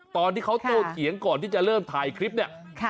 ตอนที่เขาโตเถียงก่อนที่จะเริ่มถ่ายคลิปเนี่ย